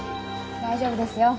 大丈夫ですよ